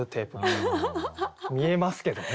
見えますけどね。